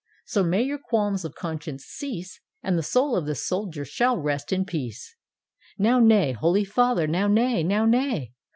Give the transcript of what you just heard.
— So may your qualms of conscience cease. And the soul of the Soldier shall rest in peace I "" Now, nay, Holy Father; now nay, now nay!